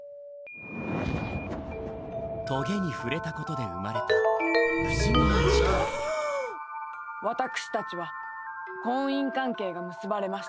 棘に触れたことで生まれた私たちは婚姻関係が結ばれました。